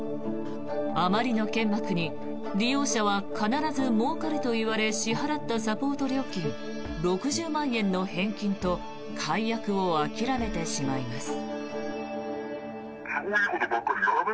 あまりの剣幕に、利用者は必ずもうかると言われ支払ったサポート料金６０万円の返金と解約を諦めてしまいます。